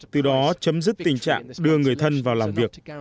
từ đó chấm dứt tình trạng đưa người thân vào làm việc